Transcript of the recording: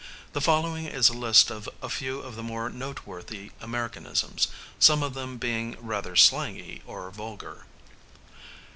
The following is a list of a few of the more noteworthy Americanisms, some of them being rather slangy or vulgar.